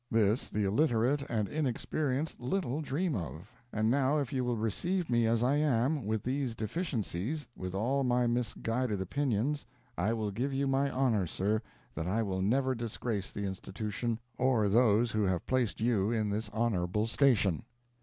This the illiterate and inexperienced little dream of; and now if you will receive me as I am, with these deficiencies with all my misguided opinions, I will give you my honor, sir, that I will never disgrace the Institution, or those who have placed you in this honorable station."